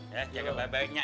ya jaga baik baiknya ya